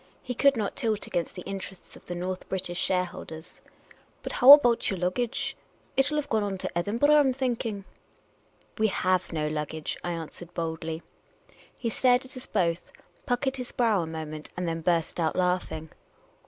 He could not tilt against the interests of tlie North British shareholders, "But how about yer luggage ? It '11 have gone on to Edin burgh, I 'm thinking." " We have no luggage," I answered boldly. He stared at us both, puckered his brow a moment, and then burst out laughing.